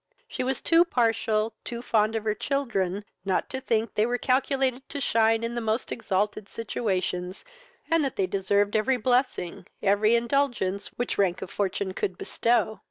She was too partial, too fond of her children not to think they were calculated to shine in the most exalted situations, and that they deserved every blessing, every indulgence which rank of fortune could bestow.